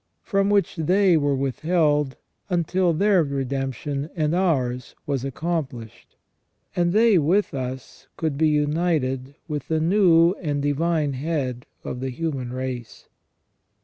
from which they were withheld until their redemption and ours was accomplished, and they with us could be united with the new and Divine Head of the human race.